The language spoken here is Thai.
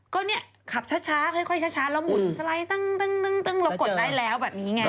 ก็ขับช้าค่อยช้า